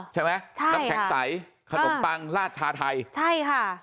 ใช่ไหมใช่น้ำแข็งใสขนมปังลาดชาไทยใช่ค่ะ